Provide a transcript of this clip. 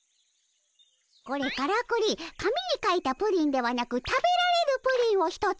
これからくり紙に書いたプリンではなく食べられるプリンを１つの。